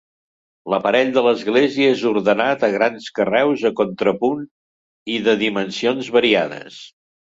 L'aparell de l'església és ordenat, a grans carreus a contrapunt i de dimensions variades.